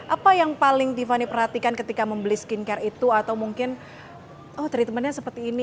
apa yang paling tiffany perhatikan ketika membeli skincare itu atau mungkin oh treatmentnya seperti ini